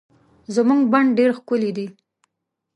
زمونږ بڼ ډير ښکلي دي